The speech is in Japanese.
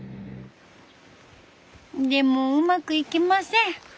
でもうまくいきません。